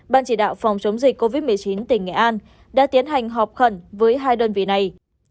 ban chỉ đạo phòng chống dịch covid một mươi chín tỉnh nghệ an đã tiến hành họp khẩn với hai đơn vị này